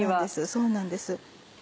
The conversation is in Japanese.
そうなんです。